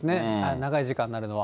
長い時間になるのは。